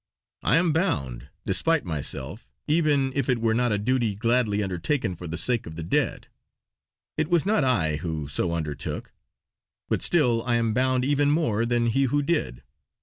I am bound, despite myself, even if it were not a duty gladly undertaken for the sake of the dead. It was not I who so undertook; but still I am bound even more than he who did.